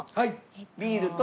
ビールと。